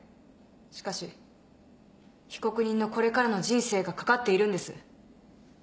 しかし被告人のこれからの人生が懸かっているんです。